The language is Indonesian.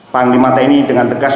panglima tni dengan tegas